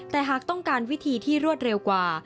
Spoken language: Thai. แต่หากต้องการวิธีที่รวดเร็วกว่า